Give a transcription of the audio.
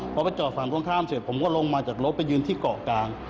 พอไปจอดฝั่งตรงข้ามเสร็จผมก็ลงมาจากรถไปยืนที่เกาะกลาง